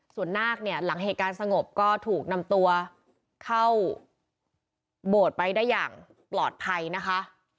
ส่วนนาคเนี่ยหลังเหตุการณ์สงบก็ถูกนำตัวเข้าโบสถ์ไปได้อย่างปลอดภัยนะคะ